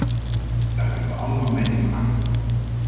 Daar hebben we allemaal mee te maken.